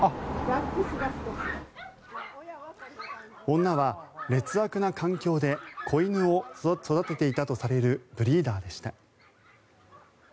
女は劣悪な環境で子犬を育てていたとされるブリーダーでした。